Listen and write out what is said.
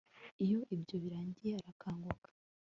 iyo ibyo birangiye arakanguka